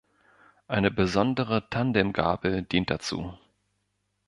Eine besondere Tandem-Gabel dient dazu.